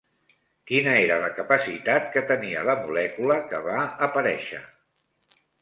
Quina era la capacitat que tenia la molècula que va aparèixer?